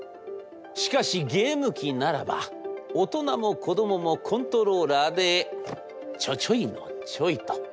しかしゲーム機ならば大人も子どももコントローラーでちょちょいのちょいと。